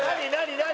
何？